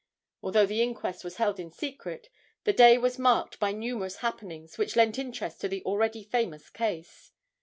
Although the inquest was held in secret, the day was marked by numerous happenings which lent interest to the already famous case.